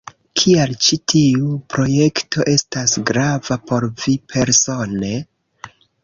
Kial ĉi tiu projekto estas grava por vi persone?